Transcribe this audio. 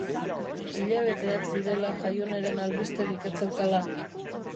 Hilabeteak zirela Jaioneren albisterik ez zeukala.